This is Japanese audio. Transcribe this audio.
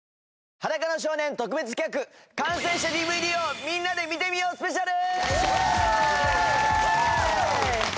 『裸の少年』特別企画完成したＤＶＤをみんなで見てみようスペシャル！